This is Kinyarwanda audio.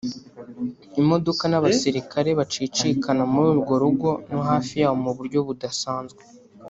imodoka n’abasirikare bacicikana muri urwo rugo no hafi yaho mu buryo budasanzwe